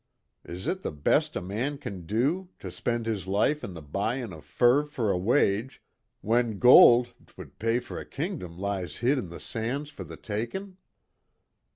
Is it the best a man can do to spend his life in the buyin' of fur for a wage, when gold 'twould pay for a kingdom lies hid in the sands for the takin'?"